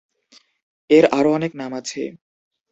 এর আরো অনেক নাম আছে।